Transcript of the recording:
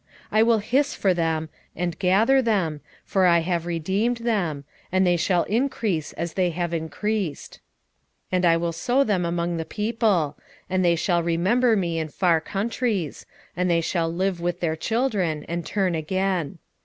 10:8 I will hiss for them, and gather them; for I have redeemed them: and they shall increase as they have increased. 10:9 And I will sow them among the people: and they shall remember me in far countries; and they shall live with their children, and turn again.